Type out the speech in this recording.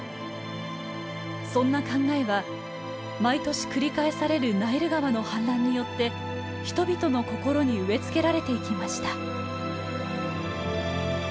そんな考えは毎年繰り返されるナイル川の氾濫によって人々の心に植え付けられていきました。